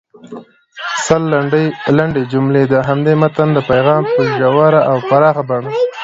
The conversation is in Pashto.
سل لنډې جملې د همدې متن د پیغام په ژوره او پراخه بڼه